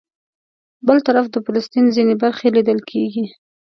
بل طرف د فلسطین ځینې برخې لیدل کېږي.